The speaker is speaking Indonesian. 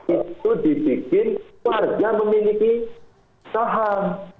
itu dibikin warga memiliki saham